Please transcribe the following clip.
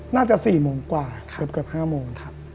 น่าจะ๔โมงกว่าเกือบ๕โมงครับ